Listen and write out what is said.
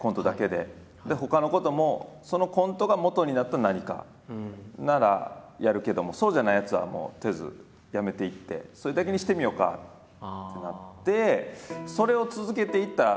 でほかのこともそのコントがもとになった何かならやるけどもそうじゃないやつはもうとりあえずやめていってそれだけにしてみようかってなって。